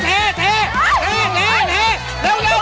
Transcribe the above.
ทุกคนทำได้